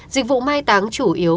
dịch vụ mai táng chủ yếu